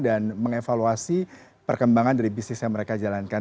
dan mengevaluasi perkembangan dari bisnis yang mereka jalankan